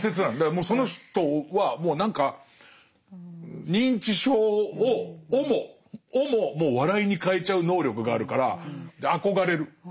もうその人はもう何か認知症をももう笑いに変えちゃう能力があるから憧れる。